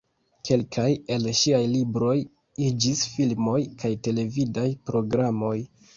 Kelkaj el ŝiaj libroj iĝis filmoj kaj televidaj programoj.